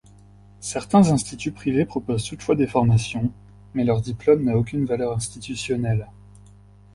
Certains instituts privés proposent toutefois des formations, mais leur diplôme n'a aucune valeur institutionnelle.